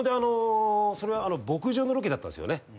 それは牧場のロケだったんすよね。